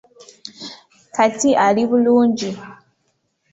Kati ali bulungi.